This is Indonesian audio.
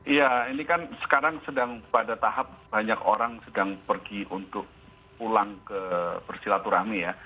iya ini kan sekarang sedang pada tahap banyak orang sedang pergi untuk pulang ke bersilaturahmi ya